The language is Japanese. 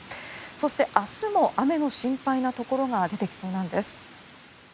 そして、明日も雨の心配なところが出てきそうなんです。